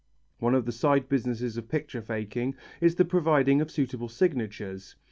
One of the side businesses of picture faking is the providing of suitable signatures.